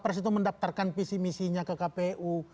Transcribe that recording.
pers itu mendaftarkan visi misinya ke kpu